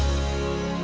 terima kasih pak